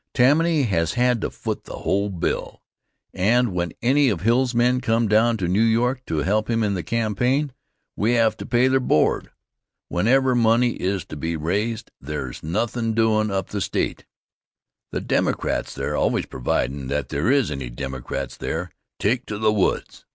Tammany has had to foot the whole bill, and when any of Hill's men came down to New York to help him in the campaign, we had to pay their board. Whenever money is to be raised, there's nothin' doin' up the State. The Democrats there always providin' that there is any Democrats there take to the woods.